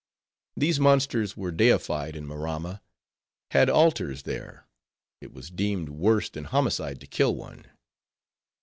These monsters were deified in Maramma; had altars there; it was deemed worse than homicide to kill one.